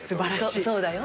そうだよ？